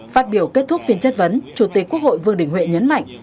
phát biểu kết thúc phiên chất vấn chủ tịch quốc hội vương đình huệ nhấn mạnh